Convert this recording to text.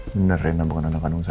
benar rena bukan anak kandung saya